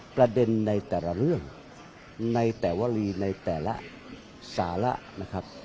ประเด็นในแต่ละเรื่องในแต่วลีในแต่ละสาระนะครับ